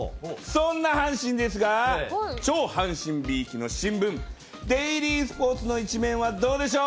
そんな阪神ですが、超阪神びいきの新聞、デイリースポーツの１面はどうでしょう。